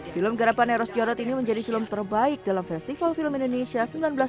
film garapan eros jarod ini menjadi film terbaik dalam festival film indonesia seribu sembilan ratus sembilan puluh